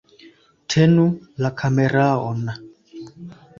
Tenu la kameraon